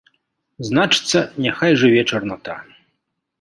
Значыцца, няхай жыве чарната!